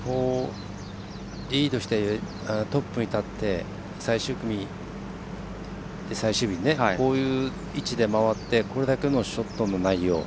リードしてトップに立って最終組で最終日にこういう位置で回ってこれだけのショットの内容。